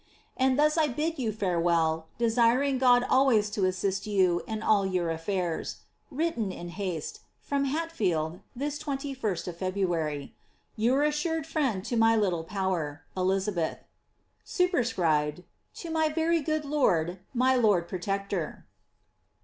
And thus I bid you farewell, desiring God always to assist you in all your affairs. Written in baste. From Hatfelde, this 2Ut of February. Your assured friend, to my little power, Superscribed. —To my very good lord, my lord protector.''